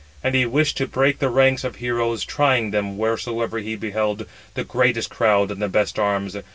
And he wished to break the ranks of heroes, trying them, wheresoever he beheld the greatest crowd and the best arms.